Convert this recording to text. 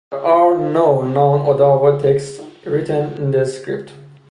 There are no known Odawa texts written in the script.